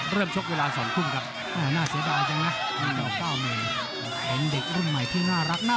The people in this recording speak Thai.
เริ่มชกเวลาสองกุ่มครับ